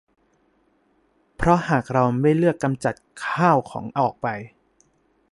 เพราะหากเราไม่เลือกกำจัดข้าวของออกไป